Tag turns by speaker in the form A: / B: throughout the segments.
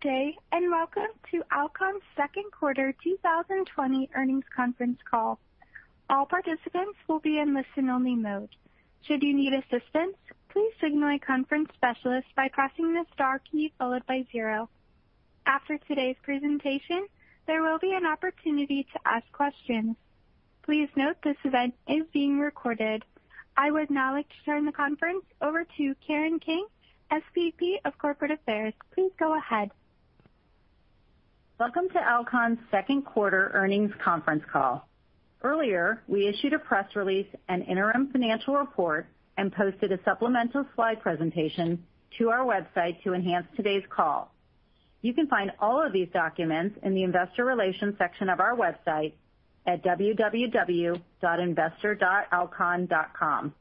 A: Good day, and welcome to Alcon's Second Quarter 2020 Earnings ConferenceCall. All participants will be in listen-only mode, should you need assistance please signal the conference specialist by pressing star key followed by zero. After today's presentation, there will be an opportunity to ask questions. Please note this event is being recorded. I would now like to turn the conference over to Karen King, SVP of Corporate Affairs. Please go ahead.
B: Welcome to Alcon's Second Quarter Earnings Conference Call. Earlier, we issued a press release and interim financial report and posted a supplemental slide presentation to our website to enhance today's call. You can find all of these documents in the investor relations section of our website at www.investor.alcon.com.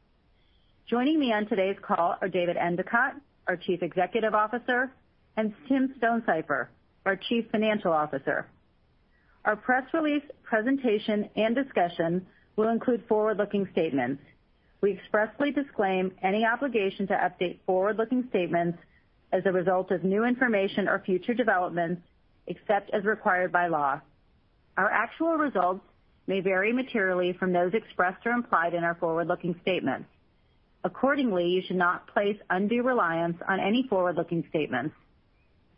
B: Joining me on today's call are David Endicott, our Chief Executive Officer, and Tim Stonesifer, our Chief Financial Officer. Our press release presentation and discussion will include forward-looking statements. We expressly disclaim any obligation to update forward-looking statements as a result of new information or future developments, except as required by law. Our actual results may vary materially from those expressed or implied in our forward-looking statements. Accordingly, you should not place undue reliance on any forward-looking statements.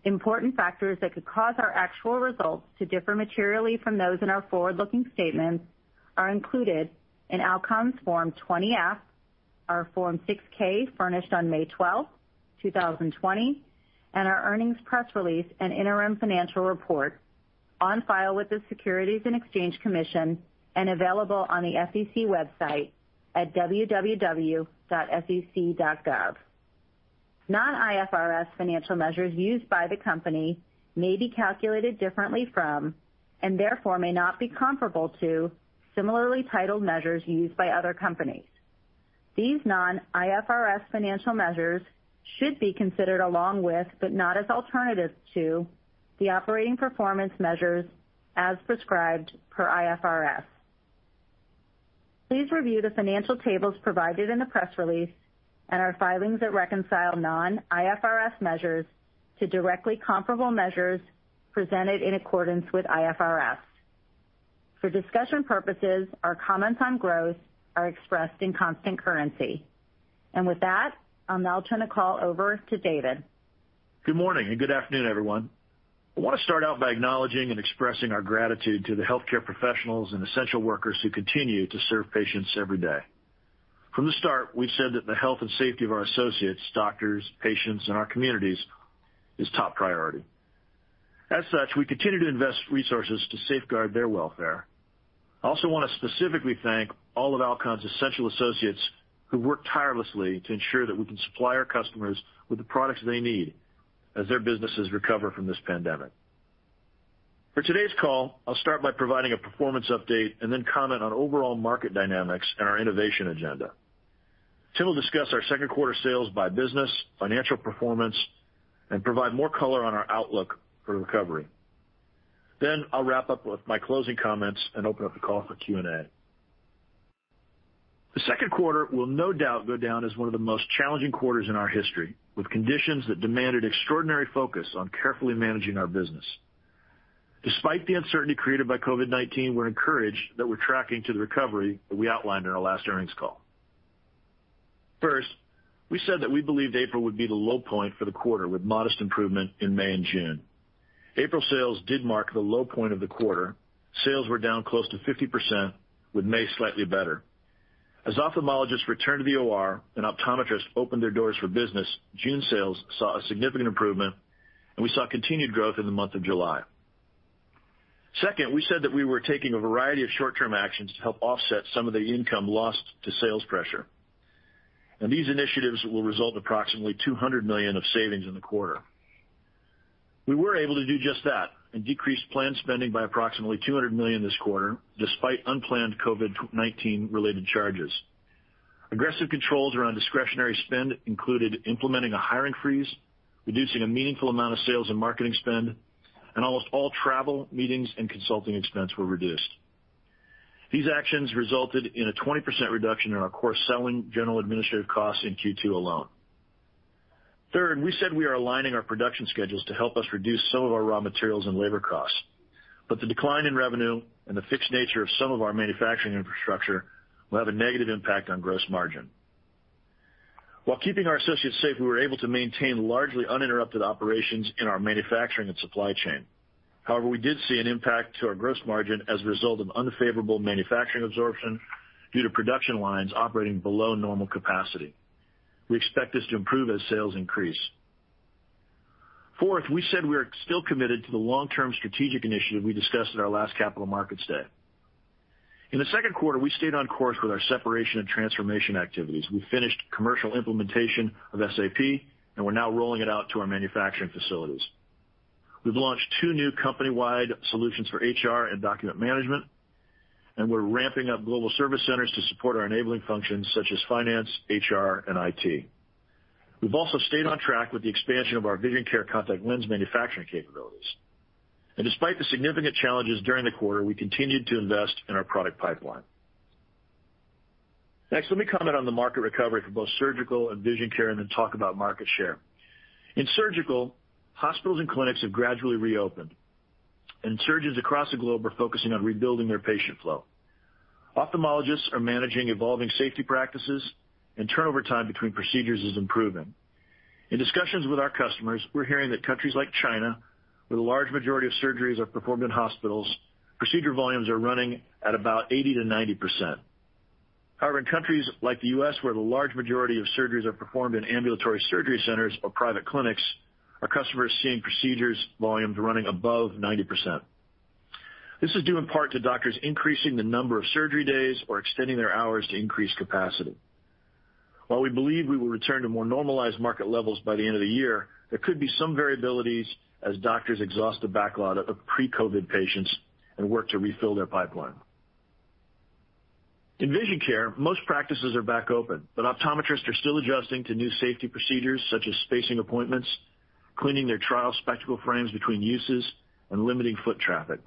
B: Important factors that could cause our actual results to differ materially from those in our forward-looking statements are included in Alcon's Form 20-F, our Form 6-K, furnished on May 12, 2020, and our earnings press release and interim financial report on file with the Securities and Exchange Commission and available on the SEC website at www.sec.gov. Non-IFRS financial measures used by the company may be calculated differently from, and therefore may not be comparable to, similarly titled measures used by other companies. These non-IFRS financial measures should be considered along with, but not as alternatives to, the operating performance measures as prescribed per IFRS. Please review the financial tables provided in the press release and our filings that reconcile non-IFRS measures to directly comparable measures presented in accordance with IFRS. For discussion purposes, our comments on growth are expressed in constant currency. With that, I'll now turn the call over to David.
C: Good morning and good afternoon, everyone. I want to start out by acknowledging and expressing our gratitude to the healthcare professionals and essential workers who continue to serve patients every day. From the start, we've said that the health and safety of our associates, doctors, patients, and our communities is top priority. As such, we continue to invest resources to safeguard their welfare. I also want to specifically thank all of Alcon's essential associates who work tirelessly to ensure that we can supply our customers with the products they need as their businesses recover from this pandemic. For today's call, I'll start by providing a performance update and then comment on overall market dynamics and our innovation agenda. Tim will discuss our second quarter sales by business, financial performance, and provide more color on our outlook for recovery. I'll wrap up with my closing comments and open up the call for Q&A. The second quarter will no doubt go down as one of the most challenging quarters in our history, with conditions that demanded extraordinary focus on carefully managing our business. Despite the uncertainty created by COVID-19, we're encouraged that we're tracking to the recovery that we outlined in our last earnings call. We said that we believed April would be the low point for the quarter, with modest improvement in May and June. April sales did mark the low point of the quarter. Sales were down close to 50%, with May slightly better. As ophthalmologists returned to the OR and optometrists opened their doors for business, June sales saw a significant improvement, and we saw continued growth in the month of July. Second, we said that we were taking a variety of short-term actions to help offset some of the income lost to sales pressure. These initiatives will result approximately $200 million of savings in the quarter. We were able to do just that and decreased planned spending by approximately $200 million this quarter, despite unplanned COVID-19 related charges. Aggressive controls around discretionary spend included implementing a hiring freeze, reducing a meaningful amount of sales and marketing spend, and almost all travel, meetings, and consulting expense were reduced. These actions resulted in a 20% reduction in our core selling, general and administrative costs in Q2 alone. Third, we said we are aligning our production schedules to help us reduce some of our raw materials and labor costs. The decline in revenue and the fixed nature of some of our manufacturing infrastructure will have a negative impact on gross margin. While keeping our associates safe, we were able to maintain largely uninterrupted operations in our manufacturing and supply chain. We did see an impact to our gross margin as a result of unfavorable manufacturing absorption due to production lines operating below normal capacity. We expect this to improve as sales increase. Fourth, we said we are still committed to the long-term strategic initiative we discussed at our last Capital Markets Day. In the second quarter, we stayed on course with our separation and transformation activities. We finished commercial implementation of SAP, and we're now rolling it out to our manufacturing facilities. We've launched two new company-wide solutions for HR and document management, and we're ramping up global service centers to support our enabling functions such as finance, HR, and IT. We've also stayed on track with the expansion of our Vision Care contact lens manufacturing capabilities. Despite the significant challenges during the quarter, we continued to invest in our product pipeline. Let me comment on the market recovery for both Surgical and Vision Care, and then talk about market share. In surgical, hospitals and clinics have gradually reopened, and surgeons across the globe are focusing on rebuilding their patient flow. Ophthalmologists are managing evolving safety practices, and turnover time between procedures is improving. In discussions with our customers, we're hearing that countries like China, where the large majority of surgeries are performed in hospitals, procedure volumes are running at about 80%-90%. In countries like the U.S., where the large majority of surgeries are performed in ambulatory surgery centers or private clinics, our customers are seeing procedures volumes running above 90%. This is due in part to doctors increasing the number of surgery days or extending their hours to increase capacity. While we believe we will return to more normalized market levels by the end of the year, there could be some variabilities as doctors exhaust a backlog of pre-COVID-19 patients and work to refill their pipeline. In Vision Care, most practices are back open, optometrists are still adjusting to new safety procedures such as spacing appointments, cleaning their trial spectacle frames between uses, and limiting foot traffic.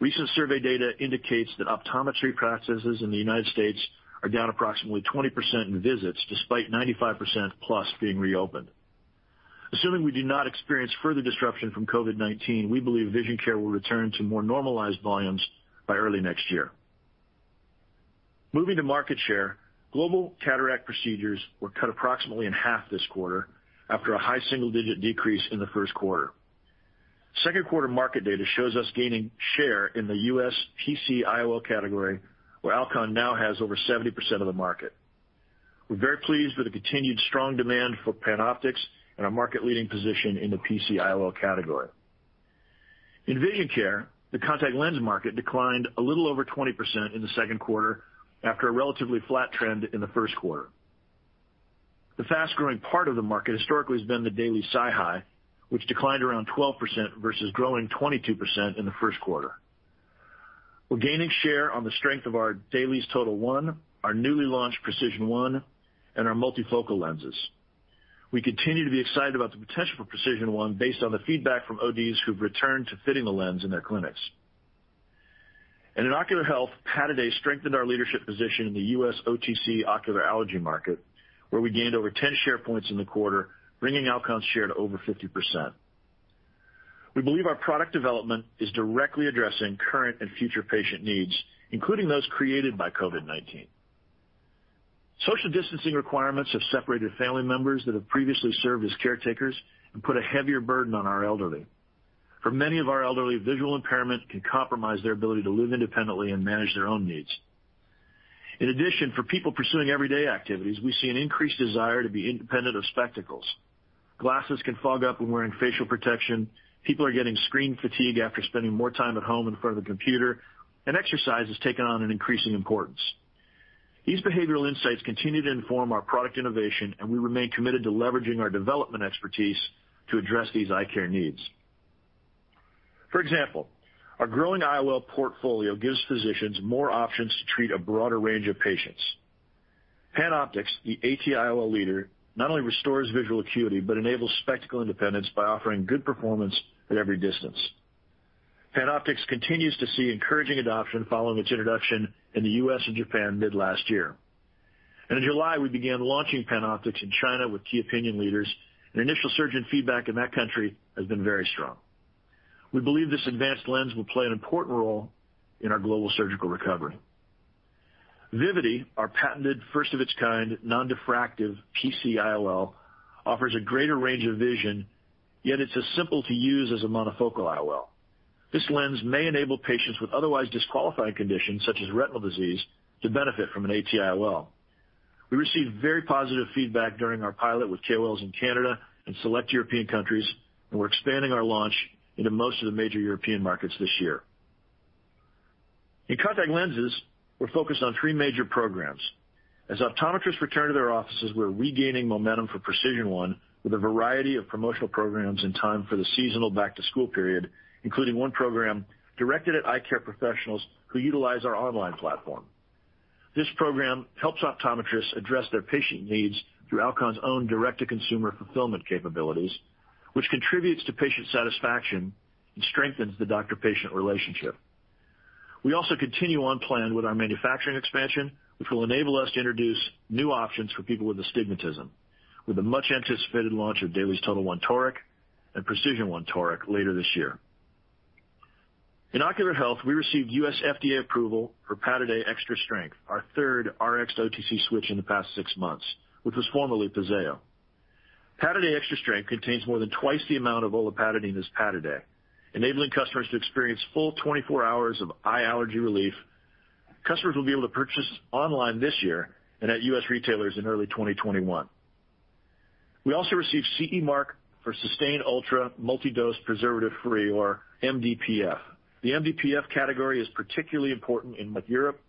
C: Recent survey data indicates that optometry practices in the U.S. are down approximately 20% in visits, despite 95%+ being reopened. Assuming we do not experience further disruption from COVID-19, we believe Vision Care will return to more normalized volumes by early next year. Moving to market share, global cataract procedures were cut approximately in half this quarter after a high single-digit decrease in the first quarter. Second quarter market data shows us gaining share in the US PC IOL category, where Alcon now has over 70% of the market. We're very pleased with the continued strong demand for PanOptix and our market-leading position in the PC IOL category. In Vision Care, the contact lens market declined a little over 20% in the second quarter after a relatively flat trend in the first quarter. The fast-growing part of the market historically has been the Daily SiHy, which declined around 12% versus growing 22% in the first quarter. We're gaining share on the strength of our DAILIES TOTAL1, our newly launched PRECISION1, and our multifocal lenses. We continue to be excited about the potential for PRECISION1 based on the feedback from ODs who've returned to fitting the lens in their clinics. In Ocular health, Pataday strengthened our leadership position in the U.S. OTC ocular allergy market, where we gained over 10 share points in the quarter, bringing Alcon's share to over 50%. We believe our product development is directly addressing current and future patient needs, including those created by COVID-19. Social distancing requirements have separated family members that have previously served as caretakers and put a heavier burden on our elderly. For many of our elderly, visual impairment can compromise their ability to live independently and manage their own needs. In addition, for people pursuing everyday activities, we see an increased desire to be independent of spectacles. Glasses can fog up when wearing facial protection. People are getting screen fatigue after spending more time at home in front of the computer, and exercise has taken on an increasing importance. These behavioral insights continue to inform our product innovation, and we remain committed to leveraging our development expertise to address these eye care needs. For example, our growing IOL portfolio gives physicians more options to treat a broader range of patients. PanOptix, a AT IOL leader, not only restores visual acuity, but enables spectacle independence by offering good performance at every distance. PanOptix continues to see encouraging adoption following its introduction in the U.S. and Japan mid last year. In July, we began launching PanOptix in China with key opinion leaders, and initial surgeon feedback in that country has been very strong. We believe this advanced lens will play an important role in our global surgical recovery. Vivity, our patented first of its kind, non-diffractive PC IOL, offers a greater range of vision, yet it's as simple to use as a monofocal IOL. This lens may enable patients with otherwise disqualifying conditions such as retinal disease to benefit from an AT IOL. We received very positive feedback during our pilot with KOLs in Canada and select European countries. We're expanding our launch into most of the major European markets this year. In contact lenses, we're focused on three major programs. As optometrists return to their offices, we're regaining momentum for PRECISION1 with a variety of promotional programs in time for the seasonal back-to-school period, including one program directed at eye care professionals who utilize our online platform. This program helps optometrists address their patient needs through Alcon's own direct-to-consumer fulfillment capabilities, which contributes to patient satisfaction and strengthens the doctor-patient relationship. We also continue on plan with our manufacturing expansion, which will enable us to introduce new options for people with astigmatism, with the much anticipated launch of DAILIES TOTAL1 Toric and PRECISION1 Toric later this year. In ocular health, we received U.S. FDA approval for Pataday Extra Strength, our third Rx-to-OTC switch in the past six months, which was formerly Pazeo. Pataday Extra Strength contains more than twice the amount of olopatadine as Pataday, enabling customers to experience full 24 hours of eye allergy relief. Customers will be able to purchase online this year and at U.S. retailers in early 2021. We also received CE Mark for SYSTANE™ ULTRA Multi-Dose Preservative-Free or MDPF. The MDPF category is particularly important in Europe,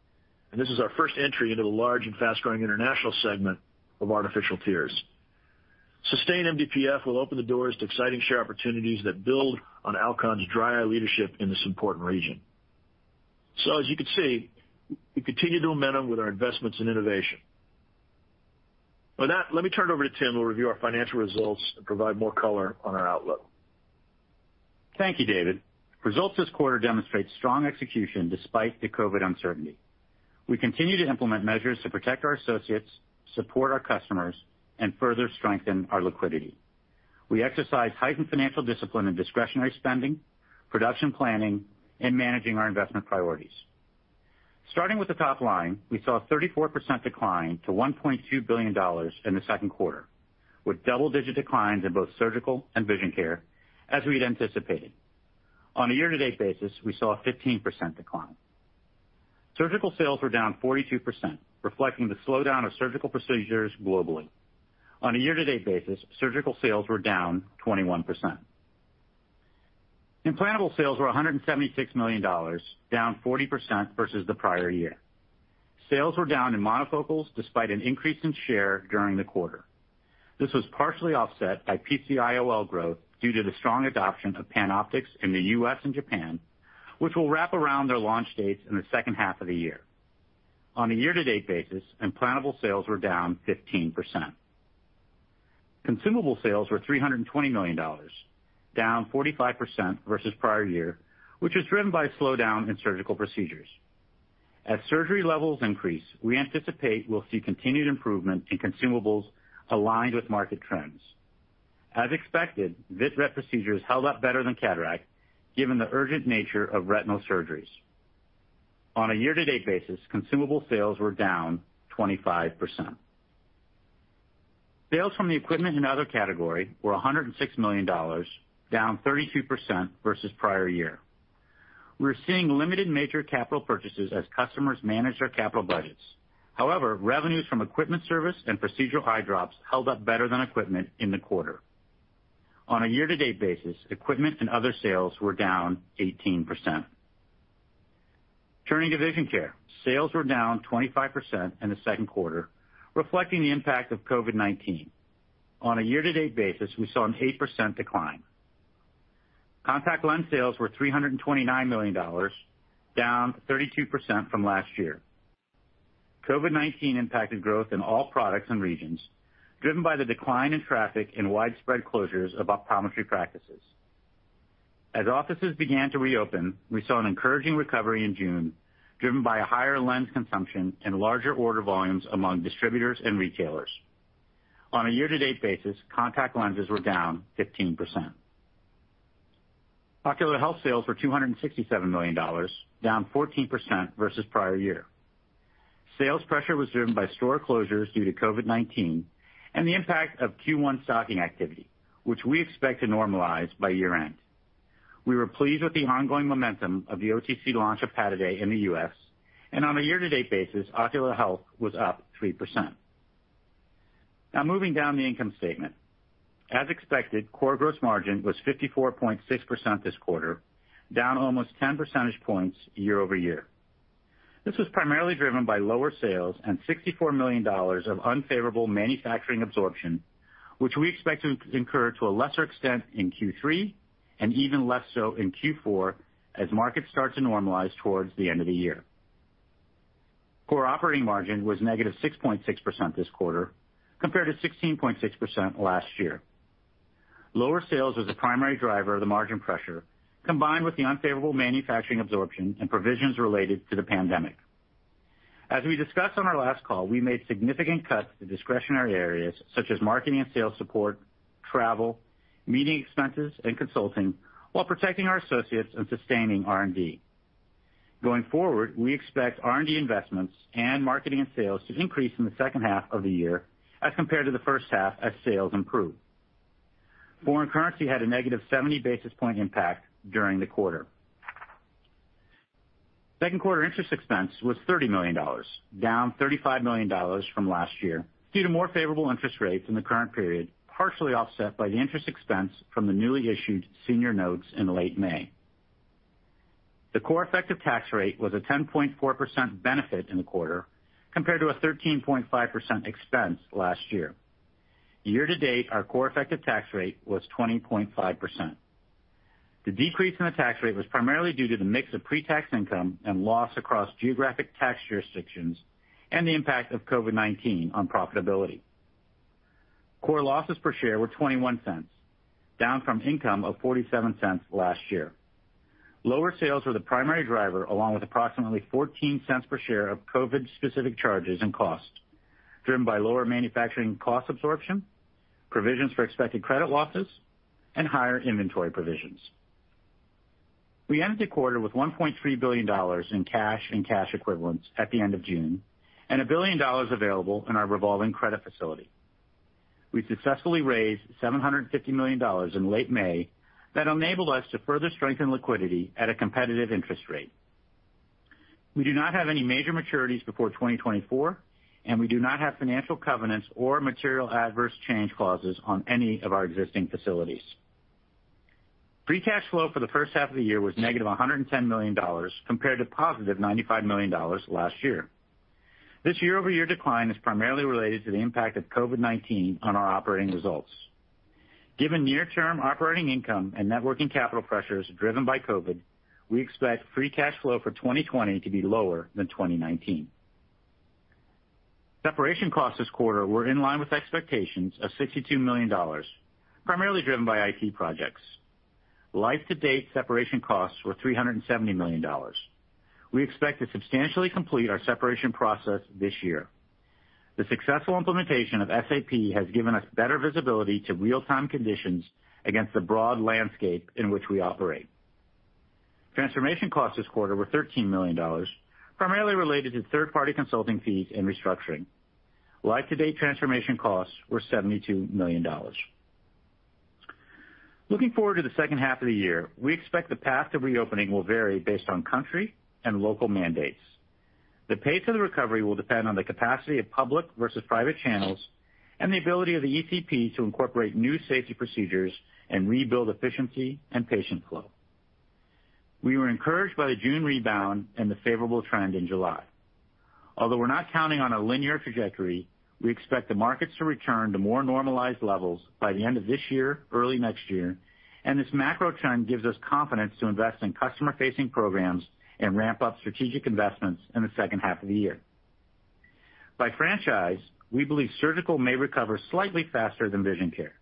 C: this is our first entry into the large and fast-growing international segment of artificial tears. SYSTANE MDPF will open the doors to exciting share opportunities that build on Alcon's dry eye leadership in this important region. As you can see, we continue to momentum with our investments in innovation. With that, let me turn it over to Tim, who will review our financial results and provide more color on our outlook.
D: Thank you, David. Results this quarter demonstrate strong execution despite the COVID uncertainty. We continue to implement measures to protect our associates, support our customers, and further strengthen our liquidity. We exercise heightened financial discipline in discretionary spending, production planning, and managing our investment priorities. Starting with the top line, we saw a 34% decline to $1.2 billion in the second quarter, with double-digit declines in both Surgical and Vision Care, as we had anticipated. On a year-to-date basis, we saw a 15% decline. Surgical sales were down 42%, reflecting the slowdown of surgical procedures globally. On a year-to-date basis, surgical sales were down 21%. Implantable sales were $176 million, down 40% versus the prior year. Sales were down in monofocals despite an increase in share during the quarter. This was partially offset by PC IOL growth due to the strong adoption of PanOptix in the U.S. and Japan, which will wrap around their launch dates in the second half of the year. On a year-to-date basis, implantable sales were down 15%. Consumable sales were $320 million, down 45% versus prior year, which was driven by a slowdown in surgical procedures. As surgery levels increase, we anticipate we'll see continued improvement in consumables aligned with market trends. As expected, vitreoretinal procedures held up better than cataract, given the urgent nature of retinal surgeries. On a year-to-date basis, consumable sales were down 25%. Sales from the equipment and other category were $106 million, down 32% versus prior year. We're seeing limited major capital purchases as customers manage their capital budgets. Revenues from equipment service and procedural eye drops held up better than equipment in the quarter. On a year-to-date basis, equipment and other sales were down 18%. Turning to Vision Care. Sales were down 25% in the second quarter, reflecting the impact of COVID-19. On a year-to-date basis, we saw an 8% decline. Contact lens sales were $329 million, down 32% from last year. COVID-19 impacted growth in all products and regions, driven by the decline in traffic and widespread closures of optometry practices. As offices began to reopen, we saw an encouraging recovery in June, driven by a higher lens consumption and larger order volumes among distributors and retailers. On a year-to-date basis, contact lenses were down 15%. Ocular Health sales were $267 million, down 14% versus prior year. Sales pressure was driven by store closures due to COVID-19 and the impact of Q1 stocking activity, which we expect to normalize by year-end. We were pleased with the ongoing momentum of the OTC launch of Pataday in the U.S. On a year-to-date basis, ocular health was up 3%. Moving down the income statement. As expected, core gross margin was 54.6% this quarter, down almost 10 percentage points year-over-year. This was primarily driven by lower sales and $64 million of unfavorable manufacturing absorption, which we expect to incur to a lesser extent in Q3, even less so in Q4 as markets start to normalize towards the end of the year. Core operating margin was -6.6% this quarter, compared to 16.6% last year. Lower sales was the primary driver of the margin pressure, combined with the unfavorable manufacturing absorption and provisions related to the pandemic. As we discussed on our last call, we made significant cuts to discretionary areas such as marketing and sales support, travel, meeting expenses, and consulting while protecting our associates and sustaining R&D. Going forward, we expect R&D investments and marketing and sales to increase in the second half of the year as compared to the first half as sales improve. Foreign currency had a negative 70-basis-point impact during the quarter. Second quarter interest expense was $30 million, down $35 million from last year due to more favorable interest rates in the current period, partially offset by the interest expense from the newly issued senior notes in late May. The core effective tax rate was a 10.4% benefit in the quarter, compared to a 13.5% expense last year. Year-to-date, our core effective tax rate was 20.5%. The decrease in the tax rate was primarily due to the mix of pre-tax income and loss across geographic tax jurisdictions and the impact of COVID-19 on profitability. Core losses per share were $0.21, down from income of $0.47 last year. Lower sales were the primary driver, along with approximately $0.14 per share of COVID-specific charges and costs, driven by lower manufacturing cost absorption, provisions for expected credit losses, and higher inventory provisions. We ended the quarter with $1.3 billion in cash and cash equivalents at the end of June and $1 billion available in our revolving credit facility. We successfully raised $750 million in late May that enabled us to further strengthen liquidity at a competitive interest rate. We do not have any major maturities before 2024, and we do not have financial covenants or material adverse change clauses on any of our existing facilities. Free cash flow for the first half of the year was -$110 million compared to $95 million last year. This year-over-year decline is primarily related to the impact of COVID-19 on our operating results. Given near-term operating income and net working capital pressures driven by COVID, we expect free cash flow for 2020 to be lower than 2019. Separation costs this quarter were in line with expectations of $62 million, primarily driven by IT projects. Life to date separation costs were $370 million. We expect to substantially complete our separation process this year. The successful implementation of SAP has given us better visibility to real-time conditions against the broad landscape in which we operate. Transformation costs this quarter were $13 million, primarily related to third-party consulting fees and restructuring. Life to date transformation costs were $72 million. Looking forward to the second half of the year, we expect the path to reopening will vary based on country and local mandates. The pace of the recovery will depend on the capacity of public versus private channels and the ability of the ECP to incorporate new safety procedures and rebuild efficiency and patient flow. We were encouraged by the June rebound and the favorable trend in July. Although we're not counting on a linear trajectory, we expect the markets to return to more normalized levels by the end of this year or early next year, and this macro trend gives us confidence to invest in customer-facing programs and ramp up strategic investments in the second half of the year. By franchise, we believe Surgical may recover slightly faster than Vision Care.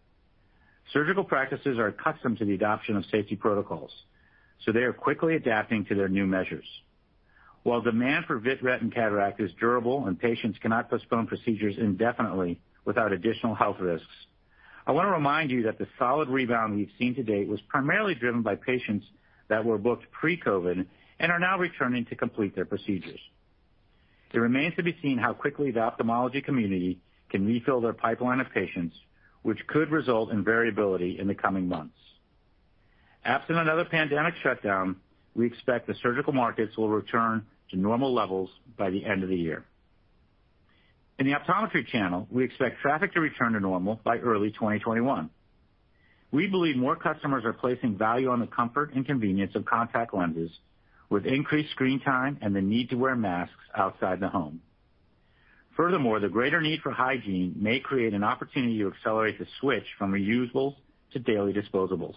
D: Surgical practices are accustomed to the adoption of safety protocols, so they are quickly adapting to their new measures. While demand for vitreoretinal and cataract is durable and patients cannot postpone procedures indefinitely without additional health risks, I want to remind you that the solid rebound we've seen to date was primarily driven by patients that were booked pre-COVID and are now returning to complete their procedures. It remains to be seen how quickly the ophthalmology community can refill their pipeline of patients, which could result in variability in the coming months. Absent another pandemic shutdown, we expect the surgical markets will return to normal levels by the end of the year. In the optometry channel, we expect traffic to return to normal by early 2021. We believe more customers are placing value on the comfort and convenience of contact lenses, with increased screen time and the need to wear masks outside the home. Furthermore, the greater need for hygiene may create an opportunity to accelerate the switch from reusable to daily disposables.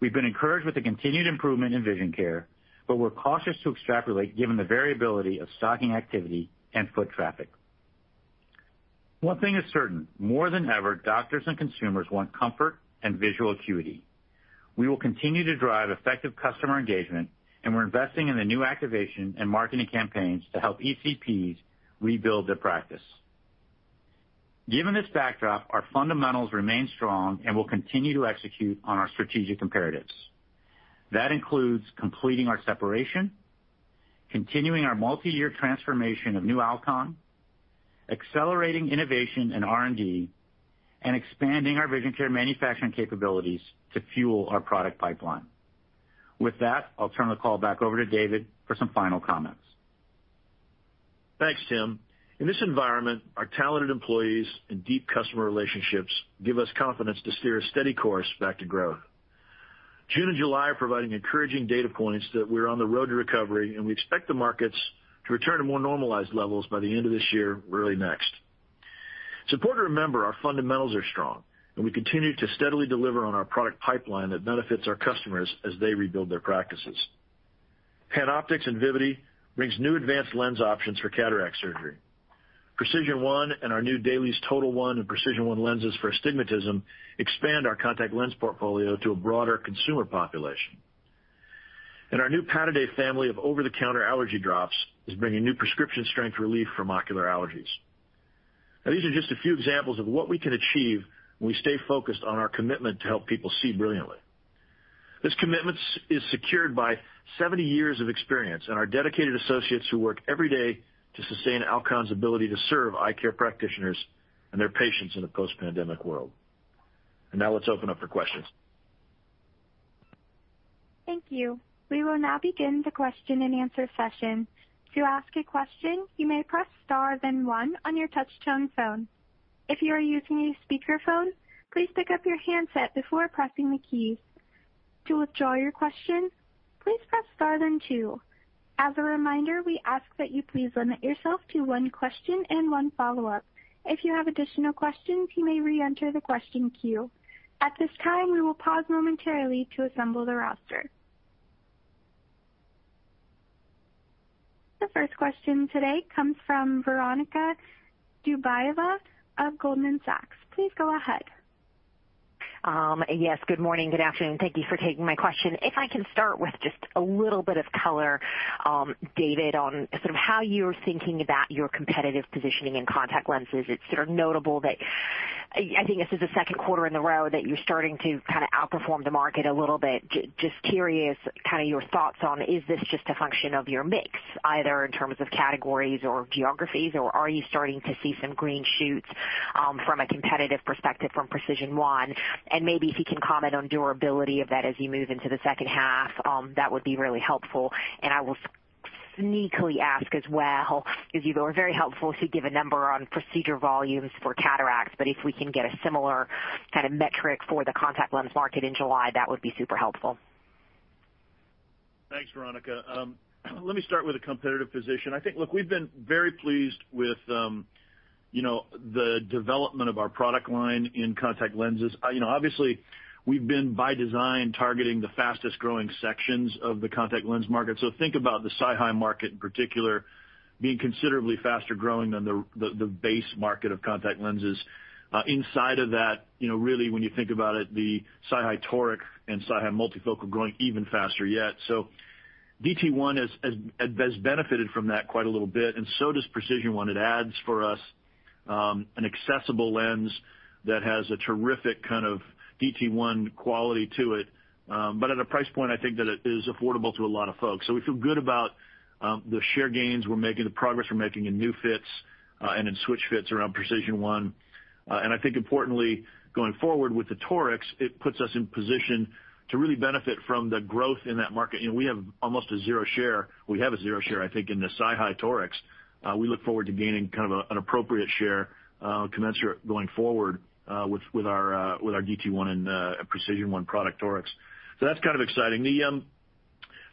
D: We've been encouraged with the continued improvement in Vision Care, but we're cautious to extrapolate given the variability of stocking activity and foot traffic. One thing is certain, more than ever, doctors and consumers want comfort and visual acuity. We will continue to drive effective customer engagement, and we're investing in the new activation and marketing campaigns to help ECPs rebuild their practice. Given this backdrop, our fundamentals remain strong, and we'll continue to execute on our strategic imperatives. That includes completing our separation, continuing our multi-year transformation of new Alcon, accelerating innovation and R&D, and expanding our Vision Care manufacturing capabilities to fuel our product pipeline. With that, I'll turn the call back over to David for some final comments.
C: Thanks, Tim. In this environment, our talented employees and deep customer relationships give us confidence to steer a steady course back to growth. June and July are providing encouraging data points that we're on the road to recovery. We expect the markets to return to more normalized levels by the end of this year or early next. It's important to remember our fundamentals are strong. We continue to steadily deliver on our product pipeline that benefits our customers as they rebuild their practices. PanOptix and Vivity brings new advanced lens options for cataract surgery. PRECISION1 and our new DAILIES TOTAL1 and PRECISION1 lenses for astigmatism expand our contact lens portfolio to a broader consumer population. Our new Pataday family of over-the-counter allergy drops is bringing new prescription-strength relief from ocular allergies. Now, these are just a few examples of what we can achieve when we stay focused on our commitment to help people see brilliantly. This commitment is secured by 70 years of experience and our dedicated associates who work every day to sustain Alcon's ability to serve eye care practitioners and their patients in a post-pandemic world. Now let's open up for questions.
A: Thank you. We will now begin the question and answer session. To ask a question, you may press star then one on your touchtone phone. If you are using a speakerphone, please pick up your handset before pressing the key. To withdraw your question, please press star then two. As a reminder, we ask that you please limit yourself to one question and one follow-up. If you have additional questions, you may re-enter the question queue. At this time, we will pause momentarily to assemble the roster. The first question today comes from Veronika Dubajova of Goldman Sachs. Please go ahead.
E: Good morning, good afternoon. Thank you for taking my question. If I can start with just a little bit of color, David, on how you're thinking about your competitive positioning in contact lenses. It's notable that I think this is the second quarter in a row that you're starting to kind of outperform the market a little bit. Just curious, your thoughts on, is this just a function of your mix, either in terms of categories or geographies, or are you starting to see some green shoots from a competitive perspective from PRECISION1? Maybe if you can comment on durability of that as you move into the second half, that would be really helpful. I will sneakily ask as well, because you were very helpful to give a number on procedure volumes for cataracts, but if we can get a similar kind of metric for the contact lens market in July, that would be super helpful.
C: Thanks, Veronika. Let me start with a competitive position. I think, look, we've been very pleased with the development of our product line in contact lenses. Obviously, we've been, by design, targeting the fastest-growing sections of the contact lens market. Think about the SiHy market in particular, being considerably faster growing than the base market of contact lenses. Inside of that, really when you think about it, the SiHy Toric and SiHy Multifocal growing even faster yet. DT1 has benefited from that quite a little bit, and so does PRECISION1. It adds for us an accessible lens that has a terrific kind of DT1 quality to it, but at a price point, I think that it is affordable to a lot of folks. We feel good about the share gains we're making, the progress we're making in new fits, and in switch fits around PRECISION1. I think importantly, going forward with the Torics, it puts us in position to really benefit from the growth in that market. We have almost a zero share. We have a zero share, I think, in the SiHy Torics. We look forward to gaining kind of an appropriate share, commensurate going forward, with our DT1 and PRECISION1 product Torics. That's kind of exciting.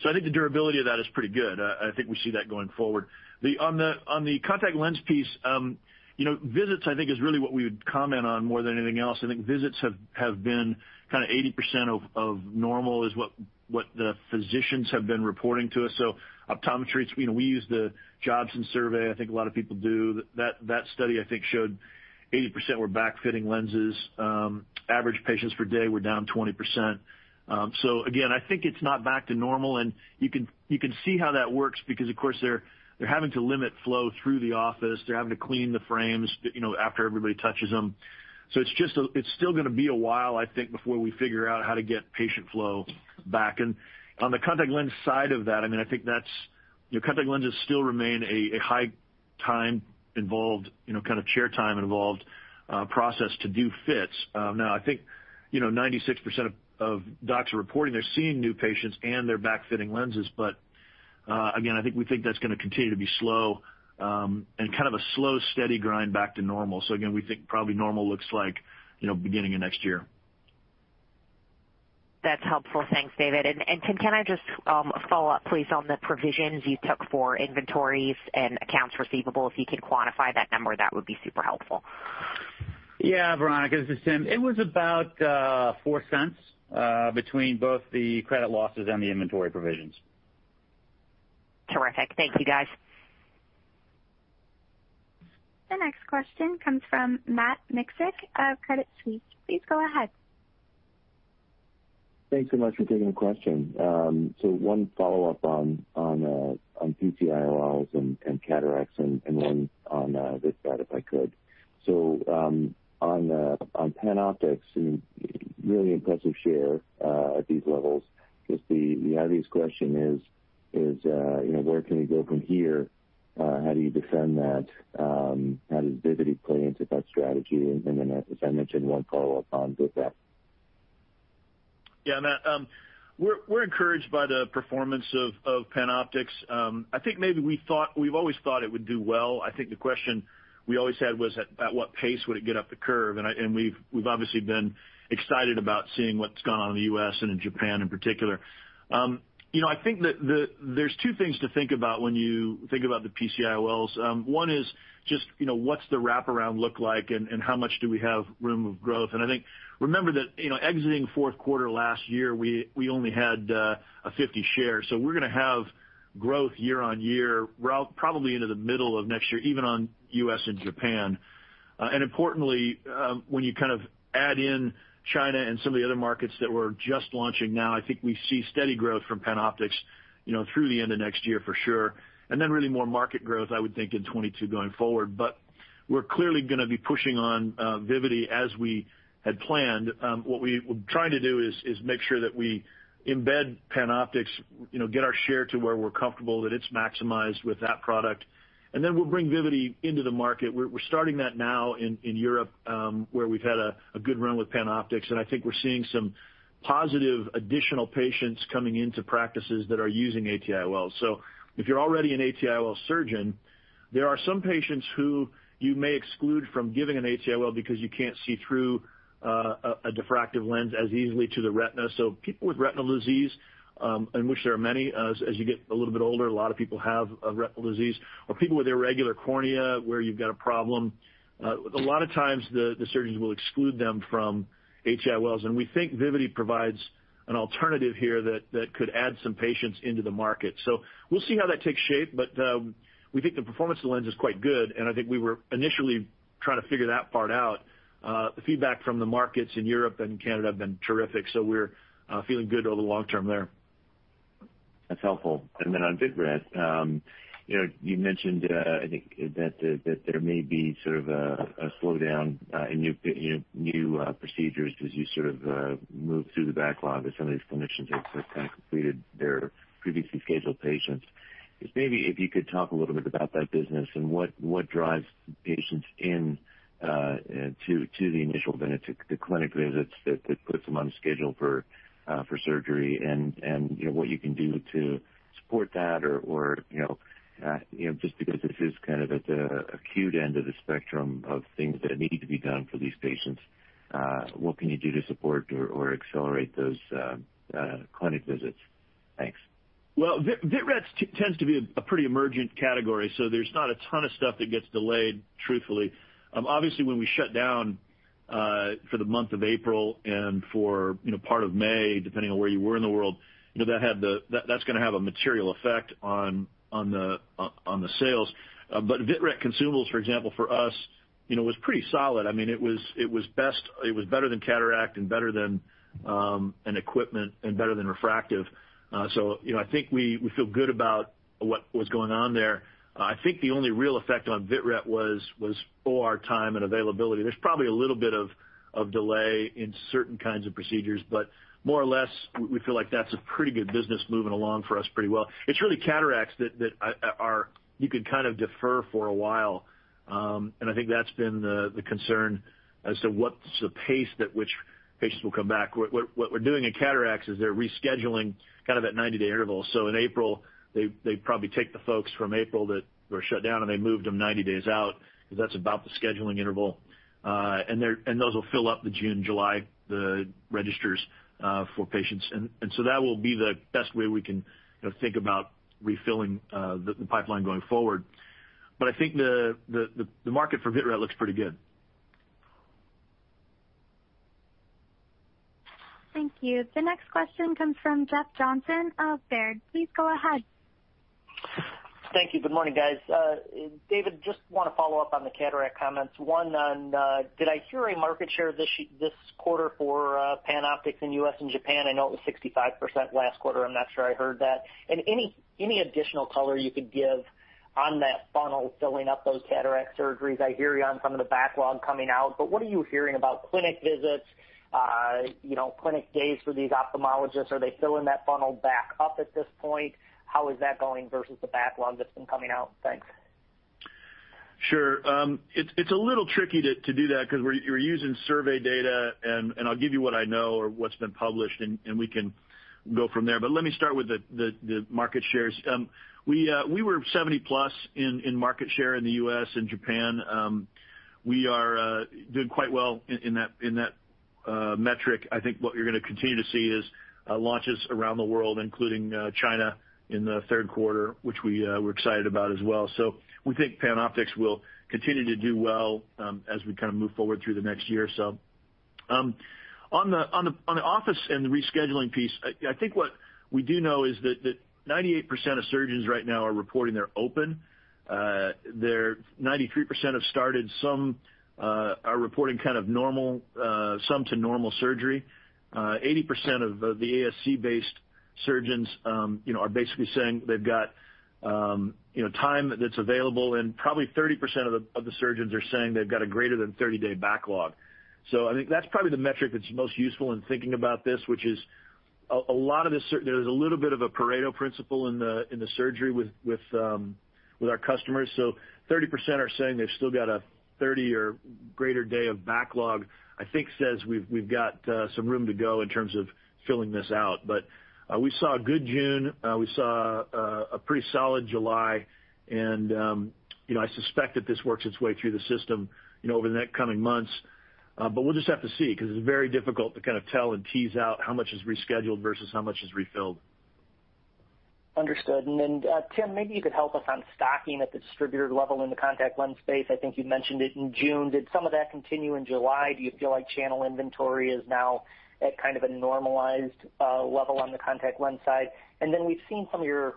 C: I think the durability of that is pretty good. I think we see that going forward. On the contact lens piece, visits, I think is really what we would comment on more than anything else. I think visits have been kind of 80% of normal is what the physicians have been reporting to us. Optometry, we use the Jobson survey. I think a lot of people do. That study, I think, showed 80% were back fitting lenses. Average patients per day were down 20%. Again, I think it's not back to normal, and you can see how that works because, of course, they're having to limit flow through the office. They're having to clean the frames after everybody touches them. It's still going to be a while, I think, before we figure out how to get patient flow back. On the contact lens side of that, I think contact lenses still remain a high time involved, kind of chair time involved, process to do fits. Now, I think, 96% of docs are reporting they're seeing new patients and they're back fitting lenses. Again, I think we think that's going to continue to be slow, and kind of a slow, steady grind back to normal. Again, we think probably normal looks like beginning of next year.
E: That's helpful. Thanks, David. Tim, can I just follow up please on the provisions you took for inventories and accounts receivable? If you could quantify that number, that would be super helpful.
D: Yeah, Veronika, this is Tim. It was about $0.04 between both the credit losses and the inventory provisions.
E: Terrific. Thank you, guys.
A: The next question comes from Matt Miksic of Credit Suisse. Please go ahead.
F: Thanks so much for taking the question. One follow-up on PC IOLs and cataracts and one on vitreoretinal, if I could. On PanOptix, really impressive share at these levels. Guess the obvious question is where can you go from here? How do you defend that? How does Vivity play into that strategy? As I mentioned, one follow-up on vitreoretinal.
C: Yeah, Matt. We're encouraged by the performance of PanOptix. I think maybe we've always thought it would do well. I think the question we always had was at what pace would it get up the curve? We've obviously been excited about seeing what's gone on in the U.S. and in Japan in particular. I think that there's two things to think about when you think about the PC IOLs. One is just what's the wraparound look like and how much do we have room of growth. I think, remember that exiting fourth quarter last year, we only had a 50 share. We're going to have growth year-on-year, probably into the middle of next year, even on U.S. and Japan. Importantly, when you kind of add in China and some of the other markets that we're just launching now, I think we see steady growth from PanOptix through the end of next year for sure. Then really more market growth, I would think, in 2022 going forward. We're clearly going to be pushing on Vivity as we had planned. What we're trying to do is make sure that we embed PanOptix, get our share to where we're comfortable that it's maximized with that product, and then we'll bring Vivity into the market. We're starting that now in Europe, where we've had a good run with PanOptix, and I think we're seeing some positive additional patients coming into practices that are using AT IOLs. If you're already an AT IOL surgeon, there are some patients who you may exclude from giving an AT IOL because you can't see through a diffractive lens as easily to the retina. People with retinal disease, and which there are many. As you get a little bit older, a lot of people have a retinal disease or people with irregular cornea where you've got a problem. A lot of times the surgeons will exclude them from AT IOLs, and we think Vivity provides an alternative here that could add some patients into the market. We'll see how that takes shape, but we think the performance of the lens is quite good, and I think we were initially trying to figure that part out. The feedback from the markets in Europe and Canada have been terrific. We're feeling good over the long term there.
F: That's helpful. On vitreoretinal, you mentioned, I think that there may be sort of a slowdown in new procedures as you sort of move through the backlog as some of these clinicians have sort of completed their previously scheduled patients. Just maybe if you could talk a little bit about that business and what drives patients in to the initial clinic visits that puts them on schedule for surgery and what you can do to support that or just because this is kind of at the acute end of the spectrum of things that need to be done for these patients, what can you do to support or accelerate those clinic visits? Thanks.
C: Well, vitrect tends to be a pretty emergent category, so there's not a ton of stuff that gets delayed, truthfully. When we shut down for the month of April and for part of May, depending on where you were in the world, that's going to have a material effect on the sales. Vitrect consumables, for example, for us, was pretty solid. It was better than cataract and equipment, and better than refractive. I think we feel good about what was going on there. I think the only real effect on vitrect was OR time and availability. There's probably a little bit of delay in certain kinds of procedures, but more or less, we feel like that's a pretty good business moving along for us pretty well. It's really cataracts that you could kind of defer for a while. I think that's been the concern as to what's the pace that which patients will come back. What we're doing in cataracts is they're rescheduling kind of at 90-day intervals. In April, they probably take the folks from April that were shut down, and they moved them 90 days out, because that's about the scheduling interval. Those will fill up the June, July registers for patients. That will be the best way we can think about refilling the pipeline going forward. I think the market for vitrect looks pretty good.
A: Thank you. The next question comes from Jeff Johnson of Baird. Please go ahead.
G: Thank you. Good morning, guys. David, just want to follow up on the cataract comments. Did I hear a market share this quarter for PanOptix in the U.S. and Japan? I know it was 65% last quarter. I'm not sure I heard that. Any additional color you could give on that funnel filling up those cataract surgeries. I hear you on some of the backlog coming out, but what are you hearing about clinic visits, clinic days for these ophthalmologists? Are they filling that funnel back up at this point? How is that going versus the backlog that's been coming out? Thanks.
C: Sure. It's a little tricky to do that because we're using survey data, and I'll give you what I know or what's been published, and we can go from there. Let me start with the market shares. We were 70+ in market share in the U.S. and Japan. We are doing quite well in that metric. I think what you're going to continue to see is launches around the world, including China in the third quarter, which we're excited about as well. We think PanOptix will continue to do well as we kind of move forward through the next year or so. On the office and the rescheduling piece, I think what we do know is that 98% of surgeons right now are reporting they're open. 93% have started some, are reporting kind of normal, some to normal surgery. 80% of the ASC based surgeons are basically saying they've got time that's available, and probably 30% of the surgeons are saying they've got a greater than 30-day backlog. I think that's probably the metric that's most useful in thinking about this, which is there's a little bit of a Pareto principle in the surgery with our customers. 30% are saying they've still got a 30 or greater day of backlog, I think says we've got some room to go in terms of filling this out. We saw a good June. We saw a pretty solid July. I suspect that this works its way through the system over the next coming months. We'll just have to see, because it's very difficult to kind of tell and tease out how much is rescheduled versus how much is refilled.
G: Understood. Tim, maybe you could help us on stocking at the distributor level in the contact lens space. I think you mentioned it in June. Did some of that continue in July? Do you feel like channel inventory is now at kind of a normalized level on the contact lens side? We've seen some of your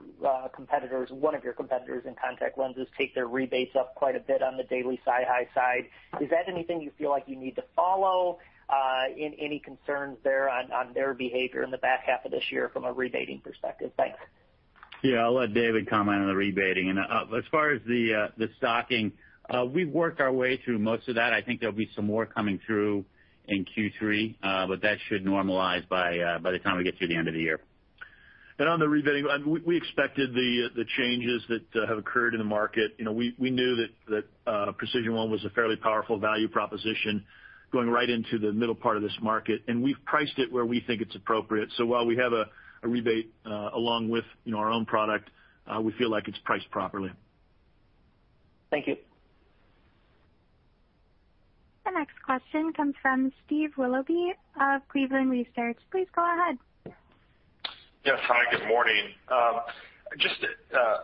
G: competitors, one of your competitors in contact lenses take their rebates up quite a bit on the Daily SiHy side. Is that anything you feel like you need to follow? Any concerns there on their behavior in the back half of this year from a rebating perspective? Thanks.
D: Yeah, I'll let David comment on the rebating. As far as the stocking, we've worked our way through most of that. I think there'll be some more coming through in Q3, but that should normalize by the time we get to the end of the year.
C: On the rebating, we expected the changes that have occurred in the market. We knew that PRECISION1 was a fairly powerful value proposition going right into the middle part of this market, and we've priced it where we think it's appropriate. While we have a rebate along with our own product, we feel like it's priced properly.
G: Thank you.
A: The next question comes from Steve Willoughby of Cleveland Research. Please go ahead.
H: Yes. Hi, good morning. Just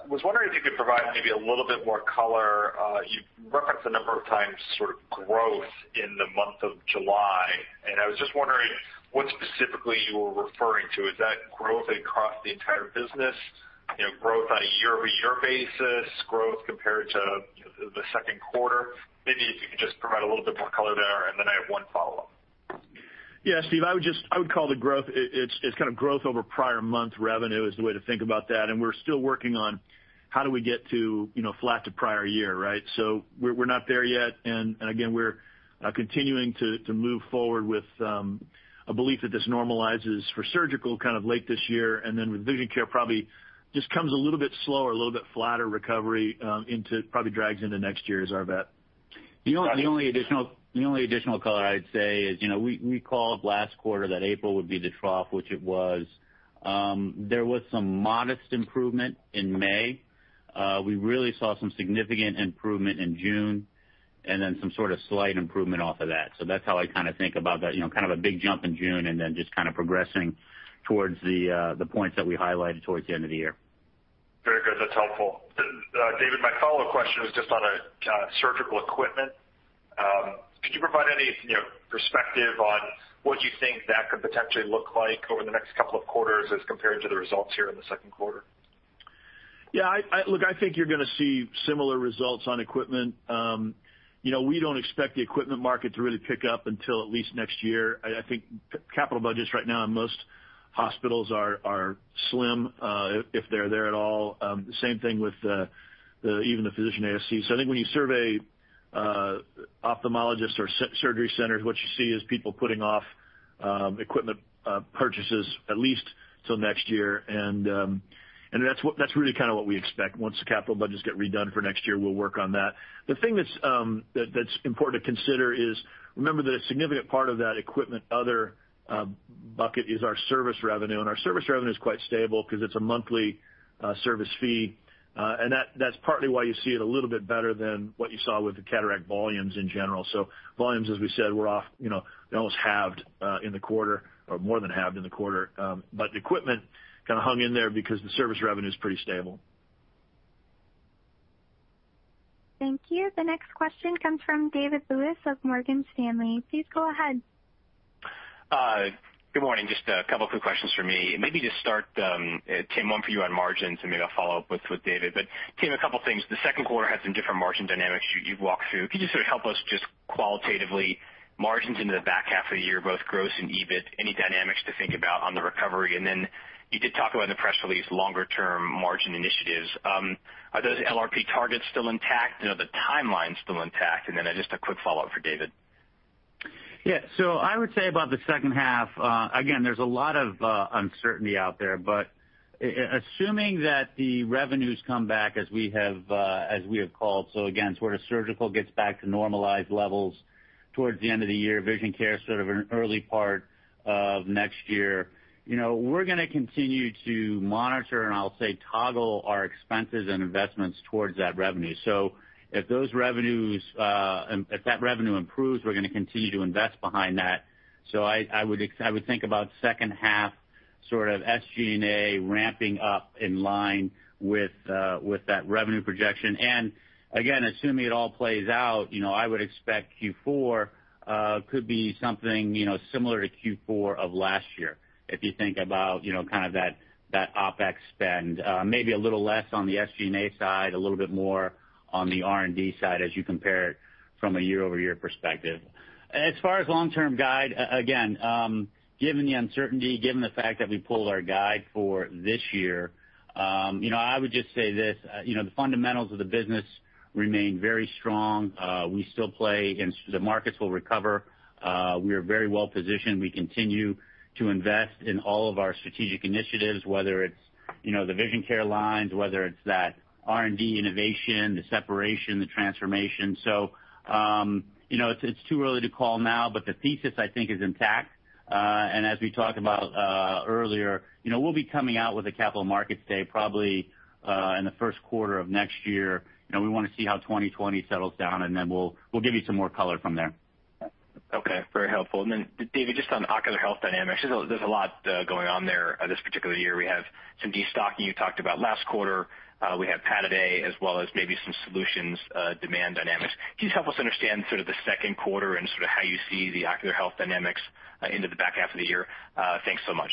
H: was wondering if you could provide maybe a little bit more color. You referenced a number of times sort of growth in the month of July, and I was just wondering what specifically you were referring to. Is that growth across the entire business? Growth on a year-over-year basis? Growth compared to the second quarter? Maybe if you could just provide a little bit more color there, and then I have one follow-up.
D: Yeah, Steve, I would call the growth, it's kind of growth over prior month revenue is the way to think about that. We're still working on how do we get to flat to prior year, right? We're not there yet. Again, we're continuing to move forward with a belief that this normalizes for surgical kind of late this year and then with Vision Care probably just comes a little bit slower, a little bit flatter recovery into probably drags into next year is our bet.
C: The only additional color I'd say is, we called last quarter that April would be the trough, which it was. There was some modest improvement in May. We really saw some significant improvement in June, and then some sort of slight improvement off of that. That's how I think about that, kind of a big jump in June and then just kind of progressing towards the points that we highlighted towards the end of the year.
H: Very good. That's helpful. David, my follow-up question was just on surgical equipment. Could you provide any perspective on what you think that could potentially look like over the next couple of quarters as compared to the results here in the second quarter?
C: Yeah. Look, I think you're going to see similar results on equipment. We don't expect the equipment market to really pick up until at least next year. I think capital budgets right now in most hospitals are slim, if they're there at all. The same thing with even the physician ASCs. I think when you survey ophthalmologists or surgery centers, what you see is people putting off equipment purchases at least till next year. That's really kind of what we expect. Once the capital budgets get redone for next year, we'll work on that. The thing that's important to consider is, remember that a significant part of that equipment other bucket is our service revenue, and our service revenue is quite stable because it's a monthly service fee. That's partly why you see it a little bit better than what you saw with the cataract volumes in general. Volumes, as we said, were off, they almost halved in the quarter or more than halved in the quarter. Equipment kind of hung in there because the service revenue is pretty stable.
A: Thank you. The next question comes from David Lewis of Morgan Stanley. Please go ahead.
I: Good morning. Just a couple of quick questions from me. Maybe just start, Tim, one for you on margins, and maybe I'll follow up with David. Tim, a couple things. The second quarter had some different margin dynamics you've walked through. Could you sort of help us just qualitatively, margins into the back half of the year, both gross and EBIT, any dynamics to think about on the recovery? You did talk about in the press release longer-term margin initiatives. Are those LRP targets still intact? Are the timelines still intact? Just a quick follow-up for David.
D: Yeah. I would say about the second half, again, there's a lot of uncertainty out there. Assuming that the revenues come back as we have called, so again, sort of surgical gets back to normalized levels towards the end of the year, Vision Care sort of in early part of next year. We're going to continue to monitor, and I'll say toggle our expenses and investments towards that revenue. If that revenue improves, we're going to continue to invest behind that. I would think about second half sort of SG&A ramping up in line with that revenue projection. Again, assuming it all plays out, I would expect Q4 could be something similar to Q4 of last year. If you think about kind of that OpEx spend, maybe a little less on the SG&A side, a little bit more on the R&D side as you compare it from a year-over-year perspective. As far as long-term guide, again, given the uncertainty, given the fact that we pulled our guide for this year, I would just say this. The fundamentals of the business remain very strong. The markets will recover. We are very well positioned. We continue to invest in all of our strategic initiatives, whether it's the Vision Care lines, whether it's that R&D innovation, the separation, the transformation. It's too early to call now, but the thesis, I think, is intact. As we talked about earlier, we'll be coming out with a Capital Markets Day probably in the first quarter of next year. We want to see how 2020 settles down, and then we'll give you some more color from there.
I: Okay. Very helpful. Then David, just on Ocular Health Dynamics, there's a lot going on there this particular year. We have some destocking you talked about last quarter. We have Pataday, as well as maybe some solutions demand dynamics. Can you just help us understand sort of the second quarter and sort of how you see the ocular health dynamics into the back half of the year? Thanks so much.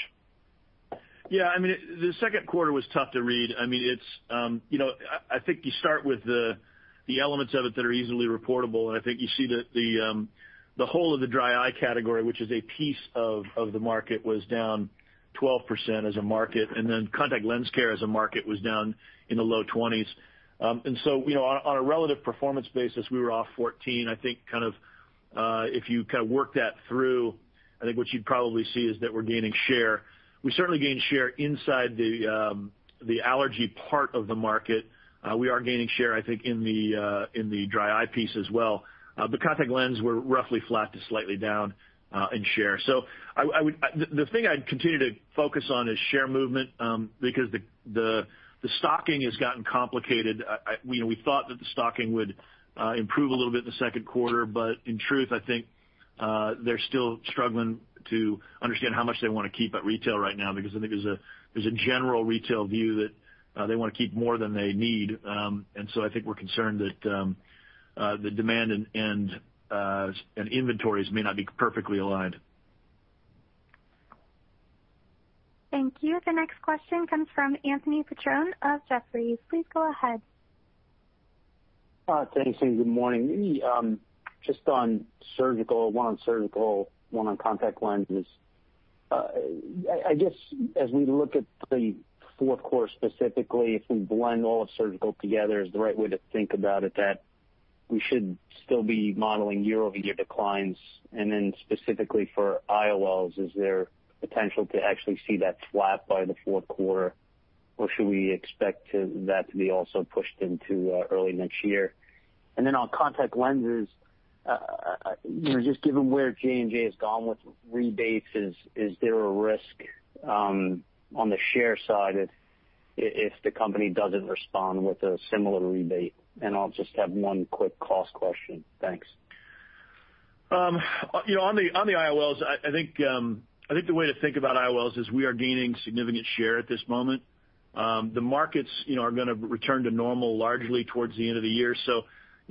C: Yeah, the second quarter was tough to read. I think you start with the elements of it that are easily reportable. I think you see that the whole of the dry eye category, which is a piece of the market, was down 12% as a market. Then contact lens care as a market was down in the low 20%. On a relative performance basis, we were off 14%. I think if you kind of work that through, I think what you'd probably see is that we're gaining share. We certainly gained share inside the allergy part of the market. We are gaining share, I think, in the dry eye piece as well. Contact lens were roughly flat to slightly down in share. The thing I'd continue to focus on is share movement, because the stocking has gotten complicated. We thought that the stocking would improve a little bit in the second quarter, but in truth, I think they're still struggling to understand how much they want to keep at retail right now, because I think there's a general retail view that they want to keep more than they need. I think we're concerned that the demand and inventories may not be perfectly aligned.
A: Thank you. The next question comes from Anthony Petrone of Jefferies. Please go ahead.
J: Thanks. Hey, good morning. Just on surgical, one on surgical, one on contact lenses. I guess as we look at the fourth quarter specifically, if we blend all of surgical together as the right way to think about it, that we should still be modeling year-over-year declines. Specifically for IOLs, is there potential to actually see that flat by the fourth quarter? Or should we expect that to be also pushed into early next year? On contact lenses, just given where J&J has gone with rebates, is there a risk on the share side if the company doesn't respond with a similar rebate? I'll just have one quick cost question. Thanks.
C: On the IOLs, I think the way to think about IOLs is we are gaining significant share at this moment. The markets are going to return to normal largely towards the end of the year.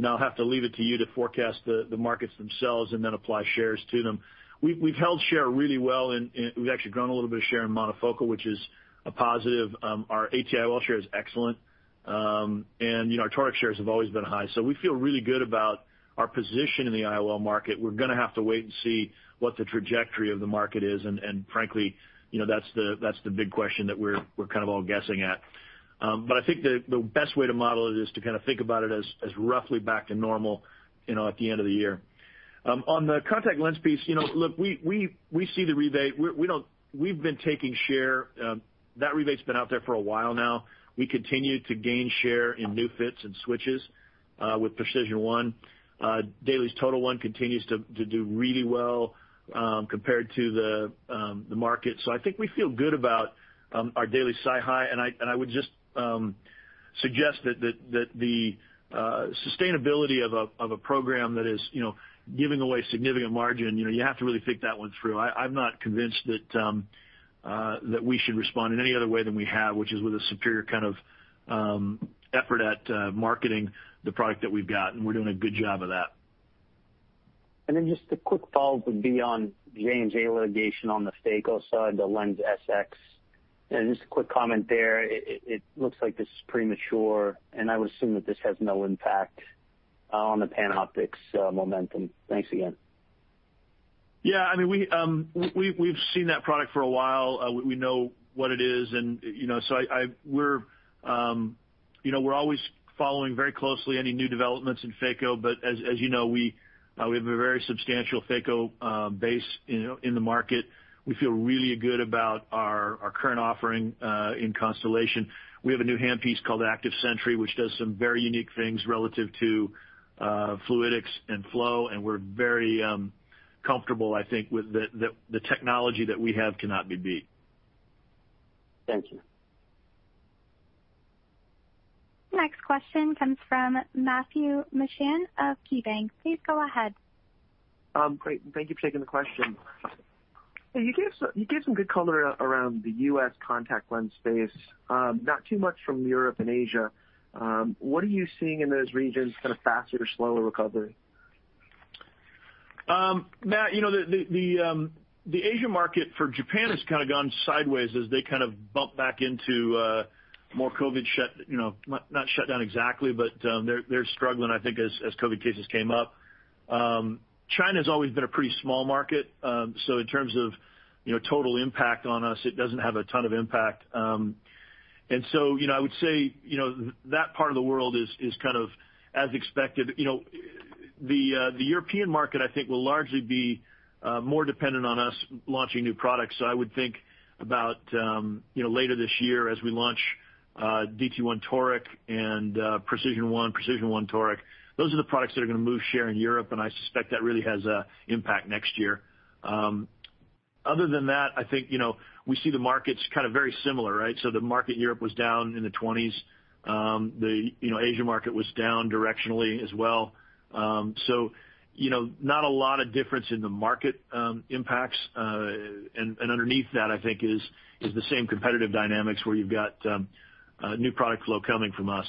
C: I'll have to leave it to you to forecast the markets themselves and then apply shares to them. We've held share really well and we've actually grown a little bit of share in monofocal, which is a positive. Our AT IOL share is excellent. Our toric shares have always been high. We feel really good about our position in the IOL market. We're going to have to wait and see what the trajectory of the market is, and frankly, that's the big question that we're kind of all guessing at. I think the best way to model it is to kind of think about it as roughly back to normal at the end of the year. On the contact lens piece, look, we see the rebate. We've been taking share. That rebate's been out there for a while now. We continue to gain share in new fits and switches with PRECISION1. DAILIES TOTAL1 continues to do really well compared to the market. I think we feel good about our Daily SiHy, and I would just suggest that the sustainability of a program that is giving away significant margin, you have to really think that one through. I'm not convinced that we should respond in any other way than we have, which is with a superior kind of effort at marketing the product that we've got, and we're doing a good job of that.
J: Just a quick follow-up would be on J&J litigation on the phaco side, the LenSx. Just a quick comment there, it looks like this is premature, and I would assume that this has no impact on the PanOptix momentum. Thanks again.
C: Yeah, we've seen that product for a while. We know what it is. We're always following very closely any new developments in phaco, but as you know, we have a very substantial phaco base in the market. We feel really good about our current offering in CONSTELLATION. We have a new handpiece called ACTIVE SENTRY®, which does some very unique things relative to fluidics and flow, and we're very comfortable, I think, with the technology that we have cannot be beat.
J: Thank you.
A: Next question comes from Matthew Mishan of KeyBanc. Please go ahead.
K: Great. Thank you for taking the question. You gave some good color around the U.S. contact lens space. Not too much from Europe and Asia. What are you seeing in those regions, kind of faster or slower recovery?
C: Matt, the Asia market for Japan has kind of gone sideways as they kind of bump back into more COVID, not shutdown exactly, but they're struggling, I think, as COVID cases came up. China's always been a pretty small market. In terms of total impact on us, it doesn't have a ton of impact. I would say, that part of the world is kind of as expected. The European market, I think, will largely be more dependent on us launching new products. I would think about later this year as we launch DT1 Toric and PRECISION1 Toric. Those are the products that are going to move share in Europe, I suspect that really has a impact next year. Other than that, I think, we see the markets kind of very similar, right? The market in Europe was down in the 20%. The Asia market was down directionally as well. Not a lot of difference in the market impacts. Underneath that, I think is the same competitive dynamics where you've got new product flow coming from us.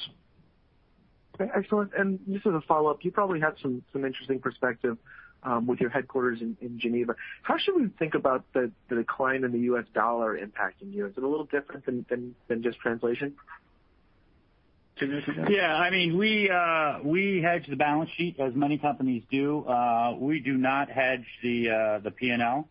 K: Okay, excellent. Just as a follow-up, you probably have some interesting perspective with your headquarters in Geneva. How should we think about the decline in the U.S. dollar impacting you? Is it a little different than just translation, Tim, do you think?
D: Yeah. We hedge the balance sheet as many companies do. We do not hedge the P&L.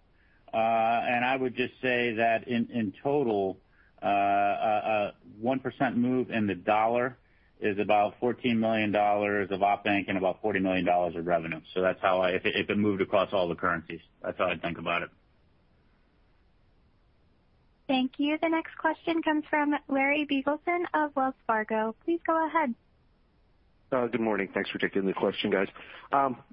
D: I would just say that in total, a 1% move in the dollar is about $14 million of op income and about $40 million of revenue. If it moved across all the currencies, that's how I'd think about it.
A: Thank you. The next question comes from Larry Biegelsen of Wells Fargo. Please go ahead.
L: Good morning. Thanks for taking the question, guys.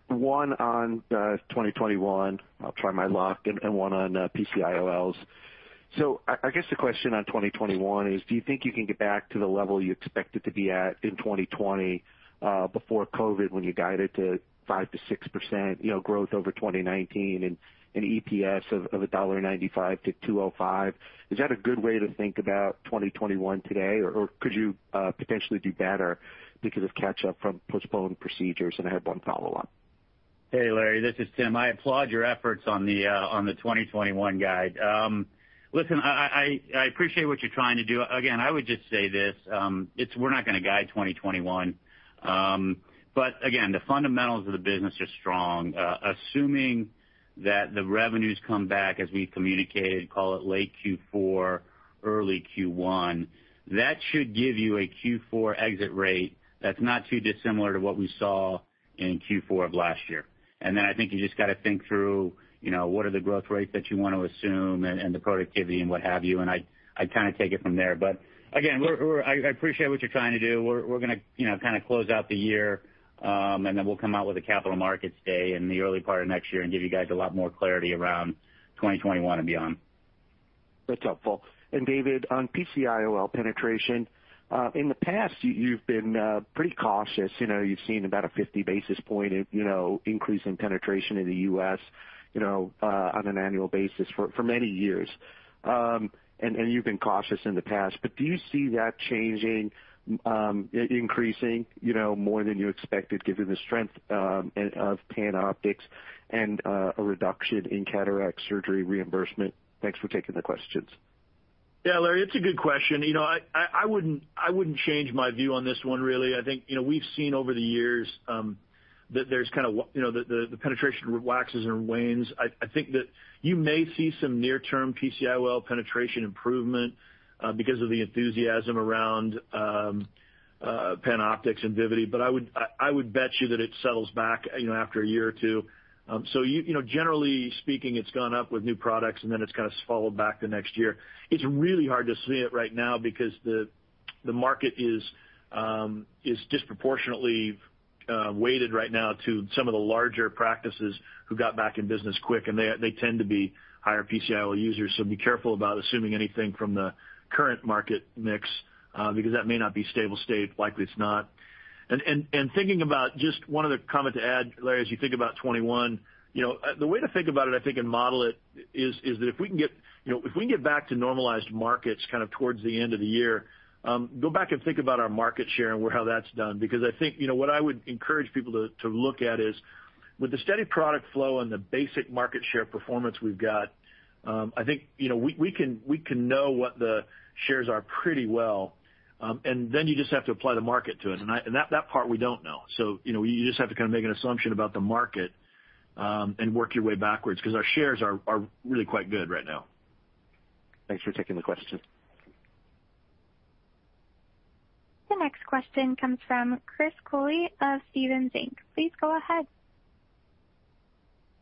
L: One on 2021. I'll try my luck. One on PC IOLs. I guess the question on 2021 is, do you think you can get back to the level you expected to be at in 2020 before COVID-19 when you guided to 5%-6% growth over 2019 and EPS of $1.95-$2.05? Is that a good way to think about 2021 today, or could you potentially do better because of catch-up from postponed procedures? I have one follow-up.
D: Hey, Larry. This is Tim. I applaud your efforts on the 2021 guide. Listen, I appreciate what you're trying to do. Again, I would just say this. We're not going to guide 2021. Again, the fundamentals of the business are strong. Assuming that the revenues come back as we communicated, call it late Q4, early Q1, that should give you a Q4 exit rate that's not too dissimilar to what we saw in Q4 of last year. Then I think you just got to think through what are the growth rates that you want to assume and the productivity and what have you, and I kind of take it from there. Again, I appreciate what you're trying to do. We're going to kind of close out the year, and then we'll come out with a Capital Markets Day in the early part of next year and give you guys a lot more clarity around 2021 and beyond.
L: That's helpful. David, on PC IOL penetration, in the past, you've been pretty cautious. You've seen about a 50 basis point increase in penetration in the U.S. on an annual basis for many years. You've been cautious in the past, do you see that changing, increasing, more than you expected given the strength of PanOptix and a reduction in cataract surgery reimbursement? Thanks for taking the questions.
C: Yeah, Larry, it's a good question. I wouldn't change my view on this one, really. I think we've seen over the years, that the penetration waxes and wanes. I think that you may see some near-term PCIOL penetration improvement because of the enthusiasm around PanOptix and Vivity, I would bet you that it settles back after a year or two. Generally speaking, it's gone up with new products, and then it's kind of swallowed back the next year. It's really hard to see it right now because the market is disproportionately weighted right now to some of the larger practices who got back in business quick, and they tend to be higher PC IOL users. Be careful about assuming anything from the current market mix, because that may not be stable state. Likely it's not. Thinking about just one other comment to add, Larry, as you think about 2021, the way to think about it, I think, and model it is that if we can get back to normalized markets towards the end of the year, go back and think about our market share and how that's done. I think, what I would encourage people to look at is with the steady product flow and the basic market share performance we've got, I think we can know what the shares are pretty well. Then you just have to apply the market to it, and that part we don't know. You just have to kind of make an assumption about the market, and work your way backwards, because our shares are really quite good right now.
L: Thanks for taking the question.
A: The next question comes from Chris Cooley of Stephens Inc.. Please go ahead.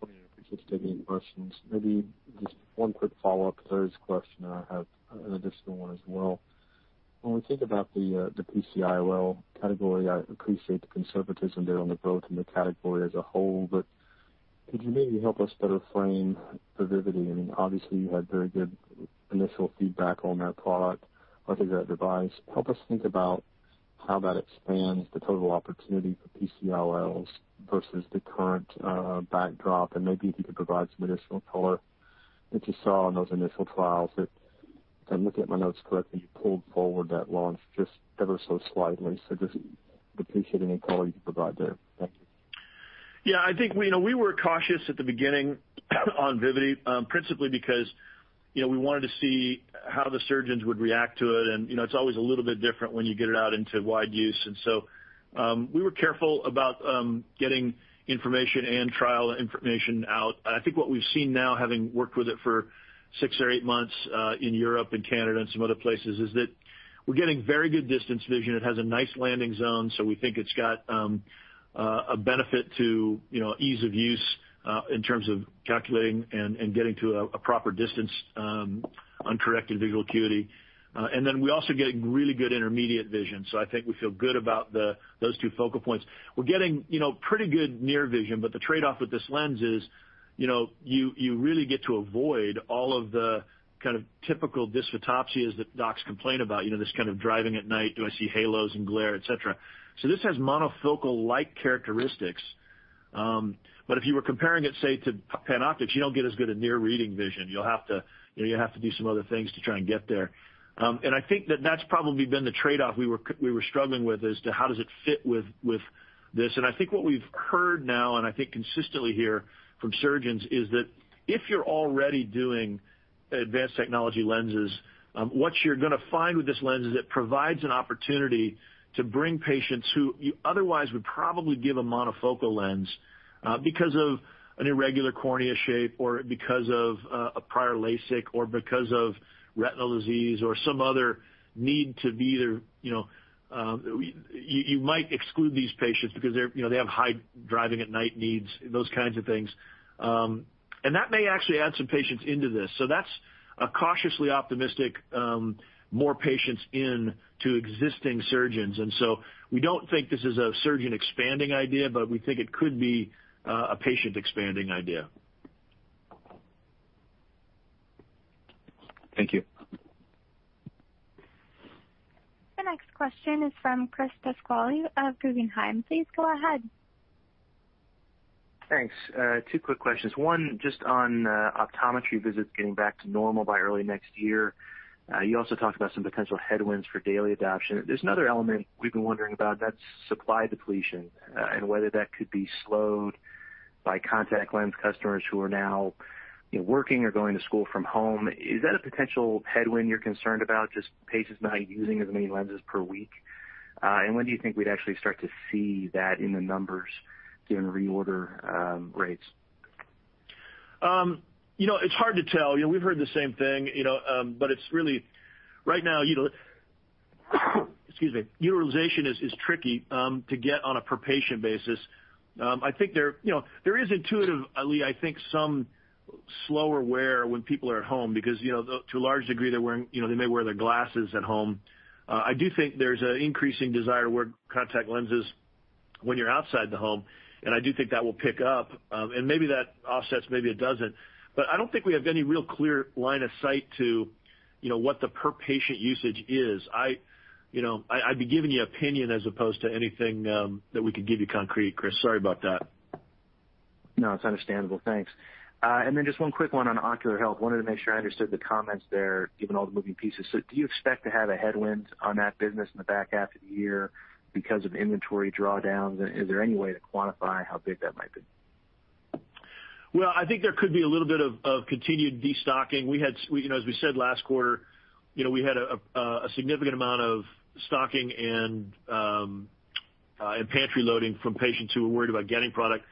M: Morning. I appreciate you taking the questions. Maybe just one quick follow-up to Larry's question, and I have an additional one as well. When we think about the PC IOL category, I appreciate the conservatism there on the growth in the category as a whole, but could you maybe help us better frame the Vivity? I mean, obviously you had very good initial feedback on that product or that device. Help us think about how that expands the total opportunity for PC IOLs versus the current backdrop. Maybe if you could provide some additional color that you saw on those initial trials that, if I'm looking at my notes correctly, you pulled forward that launch just ever so slightly. Just would appreciate any color you can provide there. Thank you.
C: I think we were cautious at the beginning on Vivity, principally because we wanted to see how the surgeons would react to it. It's always a little bit different when you get it out into wide use. So, we were careful about getting information and trial information out. I think what we've seen now, having worked with it for six or eight months in Europe and Canada and some other places, is that we're getting very good distance vision. It has a nice landing zone, so we think it's got a benefit to ease of use, in terms of calculating and getting to a proper distance on Corrected Visual Acuity. Then we also get really good intermediate vision. I think we feel good about those two focal points. We're getting pretty good near vision, but the trade-off with this lens is you really get to avoid all of the kind of typical dysphotopsias that docs complain about, this kind of driving at night, do I see halos and glare, et cetera. This has monofocal-like characteristics. If you were comparing it, say, to PanOptix, you don't get as good a near reading vision. You'll have to do some other things to try and get there. I think that that's probably been the trade-off we were struggling with as to how does it fit with this. I think what we've heard now, and I think consistently hear from surgeons, is that if you're already doing advanced technology lenses, what you're going to find with this lens is it provides an opportunity to bring patients who you otherwise would probably give a monofocal lens because of an irregular cornea shape or because of a prior LASIK or because of retinal disease or some other need. You might exclude these patients because they have high driving at night needs, those kinds of things. That may actually add some patients into this. That's a cautiously optimistic, more patients into existing surgeons. We don't think this is a surgeon expanding idea, but we think it could be a patient expanding idea.
M: Thank you.
A: The next question is from Chris Pasquale of Guggenheim. Please go ahead.
N: Thanks. Two quick questions. One, just on optometry visits getting back to normal by early next year. You also talked about some potential headwinds for daily adoption. There's another element we've been wondering about, that's supply depletion, and whether that could be slowed by contact lens customers who are now working or going to school from home. Is that a potential headwind you're concerned about, just patients not using as many lenses per week? When do you think we'd actually start to see that in the numbers given reorder rates?
C: It's hard to tell. We've heard the same thing, but it's really right now, excuse me, utilization is tricky to get on a per-patient basis. I think there is intuitively, I think some slower wear when people are at home because, to a large degree, they may wear their glasses at home. I do think there's an increasing desire to wear contact lenses when you're outside the home. I do think that will pick up, and maybe that offsets, maybe it doesn't. I don't think we have any real clear line of sight to what the per-patient usage is. I'd be giving you opinion as opposed to anything that we could give you concrete, Chris. Sorry about that.
N: No, it's understandable. Thanks. Just one quick one on ocular health. I wanted to make sure I understood the comments there, given all the moving pieces. Do you expect to have a headwind on that business in the back half of the year because of inventory drawdowns? Is there any way to quantify how big that might be?
C: Well, I think there could be a little bit of continued de-stocking. As we said last quarter, we had a significant amount of stocking and pantry loading from patients who were worried about getting product.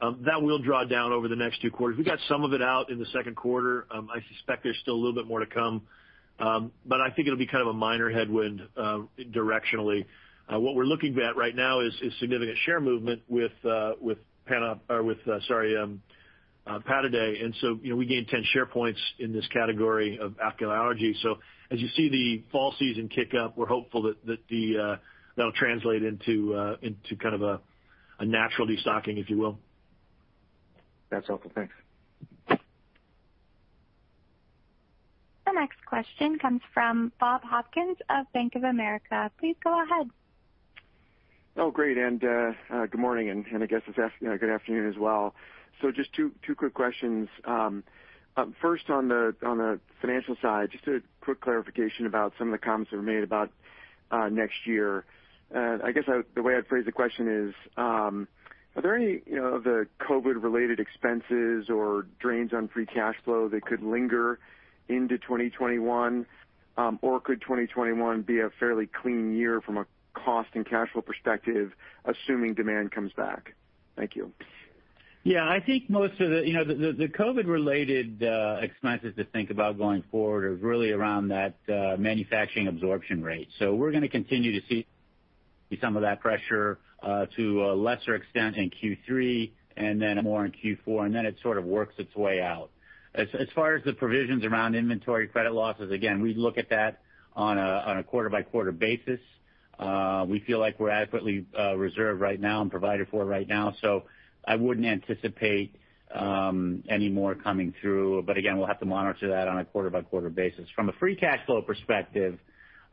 C: That will draw down over the next two quarters. We got some of it out in the second quarter. I suspect there's still a little bit more to come. I think it'll be kind of a minor headwind directionally. What we're looking at right now is significant share movement with Pataday, we gained 10 share points in this category of ocular allergy. As you see the fall season kick up, we're hopeful that that'll translate into a natural de-stocking, if you will.
N: That's helpful. Thanks.
A: The next question comes from Bob Hopkins of Bank of America. Please go ahead.
O: Oh, great. Good morning, and I guess good afternoon as well. Just two quick questions. First on the financial side, just a quick clarification about some of the comments that were made about next year. I guess the way I'd phrase the question is, are there any of the COVID-related expenses or drains on free cash flow that could linger into 2021? Or could 2021 be a fairly clean year from a cost and cash flow perspective, assuming demand comes back? Thank you.
D: Yeah, I think most of the COVID-related expenses to think about going forward is really around that manufacturing absorption rate. We're going to continue to see some of that pressure to a lesser extent in Q3 and then more in Q4, and then it sort of works its way out. As far as the provisions around inventory credit losses, again, we look at that on a quarter-by-quarter basis. We feel like we're adequately reserved right now and provided for right now, so I wouldn't anticipate any more coming through. Again, we'll have to monitor that on a quarter-by-quarter basis. From a free cash flow perspective,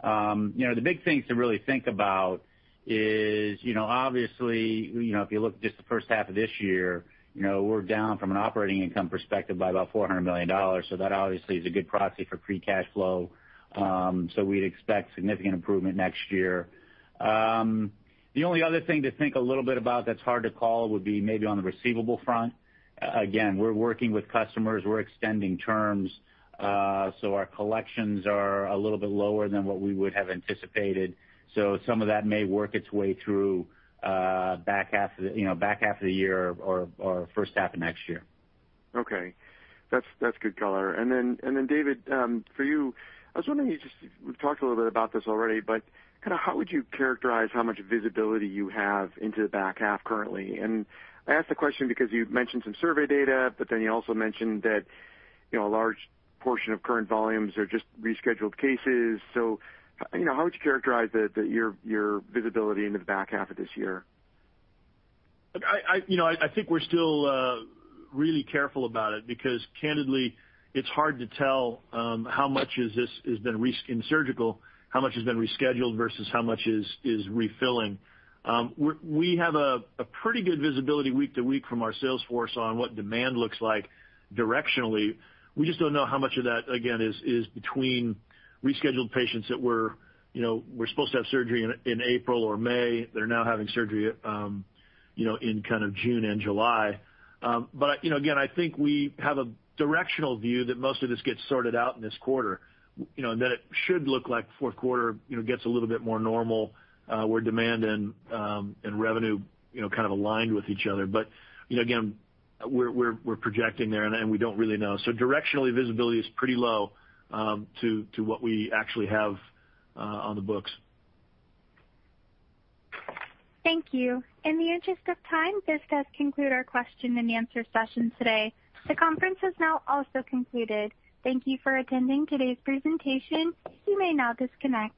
D: the big things to really think about is obviously, if you look just the first half of this year, we're down from an operating income perspective by about $400 million. That obviously is a good proxy for free cash flow. We'd expect significant improvement next year. The only other thing to think a little bit about that's hard to call would be maybe on the receivable front. Again, we're working with customers, we're extending terms. Our collections are a little bit lower than what we would have anticipated. Some of that may work its way through back half of the year or first half of next year.
O: Okay. That's good color. David, for you, I was wondering, we've talked a little bit about this already, but kind of how would you characterize how much visibility you have into the back half currently? I ask the question because you've mentioned some survey data, but then you also mentioned that a large portion of current volumes are just rescheduled cases. How would you characterize your visibility into the back half of this year?
C: I think we're still really careful about it because candidly, it's hard to tell in surgical, how much has been rescheduled versus how much is refilling. We have a pretty good visibility week to week from our sales force on what demand looks like directionally. We just don't know how much of that, again, is between rescheduled patients that were supposed to have surgery in April or May, they're now having surgery in kind of June and July. Again, I think we have a directional view that most of this gets sorted out in this quarter, and that it should look like fourth quarter gets a little bit more normal, where demand and revenue kind of aligned with each other. Again, we're projecting there, and we don't really know. Directionally, visibility is pretty low to what we actually have on the books.
A: Thank you. In the interest of time, this does conclude our question and answer session today. The conference has now also concluded. Thank you for attending today's presentation. You may now disconnect.